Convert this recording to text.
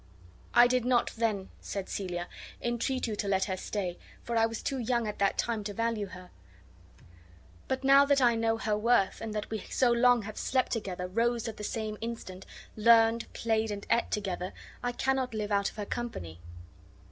"I did not then," said Celia, "entreat you to let her stay, for I was too young at that time to value her; but now that I know her worth, and that we so long have slept together, rose at the same instant, learned, played, and eat together, I cannot live out of her company."